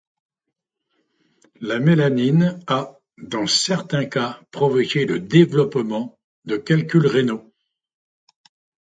La mélamine a, dans certains cas, provoqué le développement de calculs rénaux.